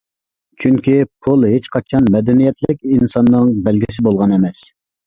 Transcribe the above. چۈنكى، پۇل ھېچقاچان مەدەنىيەتلىك ئىنساننىڭ بەلگىسى بولغان ئەمەس.